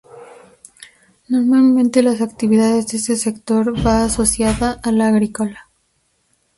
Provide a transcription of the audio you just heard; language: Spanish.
Normalmente la actividad de este sector va asociada a la agrícola.